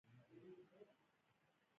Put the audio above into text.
سهار د نرمې هیلې احساس دی.